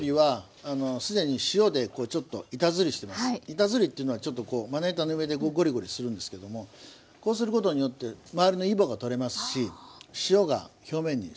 板ずりっていうのはちょっとこうまな板の上でゴリゴリするんですけどもこうすることによって周りのいぼが取れますし塩が表面にしみますね。